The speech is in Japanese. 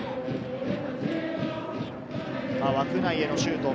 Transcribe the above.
枠内へのシュート。